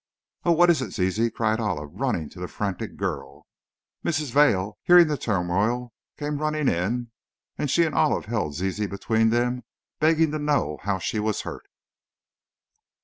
"Oh, what is it, Zizi?" cried Olive, running to the frantic girl. Mrs. Vail, hearing the turmoil, came running in, and she and Olive held Zizi between them, begging to know how she was hurt.